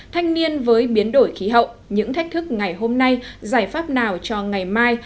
thanh niên với biến đổi khí hậu những thách thức ngày hôm nay giải pháp nào cho ngày mai